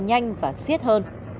nhanh và siết hơn